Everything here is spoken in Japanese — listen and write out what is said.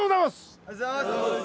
ありがとうございます！